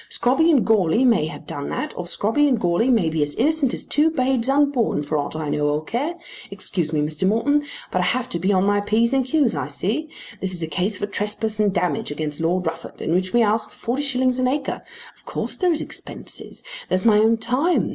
Scrobby and Goarly may have done that, or Scrobby and Goarly may be as innocent as two babes unborn for aught I know or care. Excuse me, Mr. Morton, but I have to be on my p's and q's I see. This is a case for trespass and damage against Lord Rufford in which we ask for 40_s._ an acre. Of course there is expenses. There's my own time.